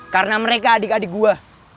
karena mereka adik adik gue